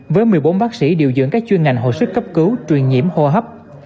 với một mươi bốn bác sĩ điều dưỡng các chuyên ngành hồi sức cấp cứu truyền nhiễm hô hấp